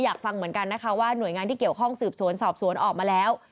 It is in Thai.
อยากฟังเหมือนกันนะคะว่าหน่วยงานที่เกี่ยวข้องสืบสวนสอบสวนออกมาแล้ว